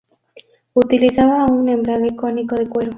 Utilizaba un embrague cónico de cuero.